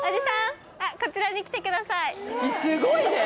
こちらに来てください。